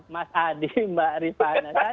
mas adi mbak ripa